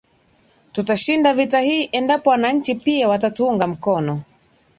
Tutashinda vita hii endapo wananchi pia watatuunga mkono